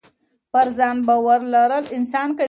پر ځان باور لرل انسان قوي کوي.